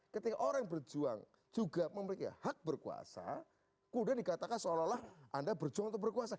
ketika orang berjuang juga memiliki hak berkuasa kemudian dikatakan seolah olah anda berjuang untuk berkuasa